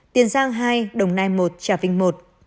tiền giang hai đồng nai một trà vinh một